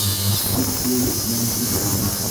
Тик ул йәнһеҙ ине.